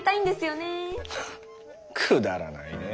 ふんくだらないね。